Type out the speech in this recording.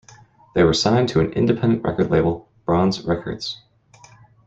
They were signed to an independent record label, Bronze Records.